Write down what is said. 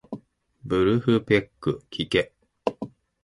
ブルフペックきけ